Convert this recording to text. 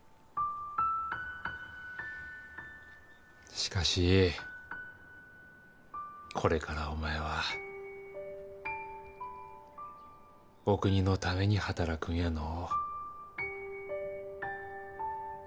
しかしこれからお前はお国のために働くんやのう